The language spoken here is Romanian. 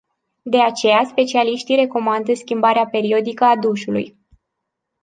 De aceea, specialiștii recomandă schimbarea periodică a dușului.